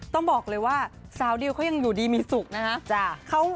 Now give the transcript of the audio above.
ต้องบอกเลยว่าสาวดิวเขายังอยู่ดีมีสุขนะฮะ